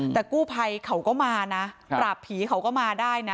แต่กู้ภัยเขาก็มานะปราบผีเขาก็มาได้นะ